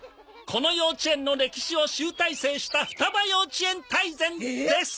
この幼稚園の歴史を集大成した「ふたば幼稚園大全」です！